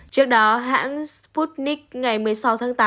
trước đó hãng sputnik ngày một mươi sáu tháng tám